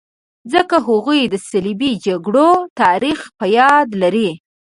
ځکه هغوی د صلیبي جګړو تاریخ په یاد لري.